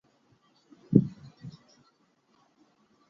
اور ان کا ایک ہی جواب ہوتا ہے